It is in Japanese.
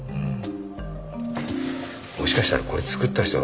うん。